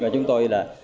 chúng tôi là